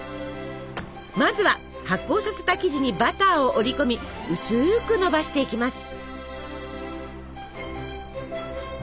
まずは発酵させた生地にバターを折り込み薄くのばしていきます。